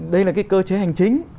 đây là cái cơ chế hành chính